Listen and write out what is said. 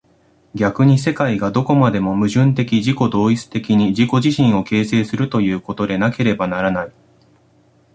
逆に世界がどこまでも矛盾的自己同一的に自己自身を形成するということでなければならない。